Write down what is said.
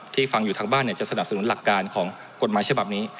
ฟังอยู่ทางบ้านจะสนับสนุนหลักการของกฎหมายฉบับนี้